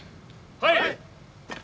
はい。